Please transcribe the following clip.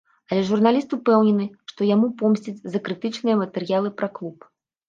Але журналіст упэўнены, што яму помсцяць за крытычныя матэрыялы пра клуб.